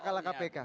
sejak kalah kpk